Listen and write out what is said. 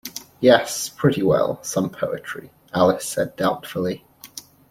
‘Yes, pretty well—some poetry,’ Alice said doubtfully.